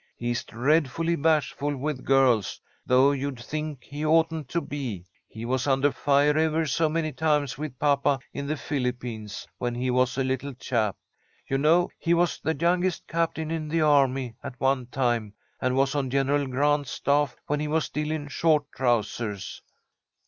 He's dreadfully bashful with girls, though you'd think he oughtn't to be. He was under fire ever so many times with papa in the Philippines when he was a little chap. You know he was the youngest captain in the army, at one time, and was on General Grant's staff when he was still in short trousers."